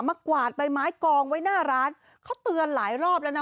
กวาดใบไม้กองไว้หน้าร้านเขาเตือนหลายรอบแล้วนะ